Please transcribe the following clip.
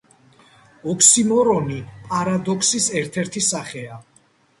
ოქსიმორონი პარადოქსის ერთ-ერთი სახეა.